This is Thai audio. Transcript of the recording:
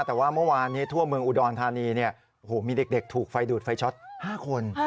แต่ว่าเมื่อวานนี้ทั่วเมืองอุดรธานีมีเด็กถูกไฟดูดไฟช็อต๕คน